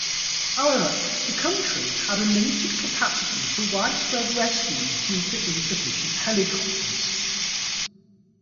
However, the country had a limited capacity for widespread rescues due to insufficient helicopters.